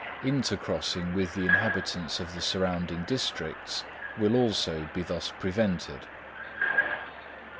Intercrossing with the inhabitants of the surrounding districts, will also be thus prevented.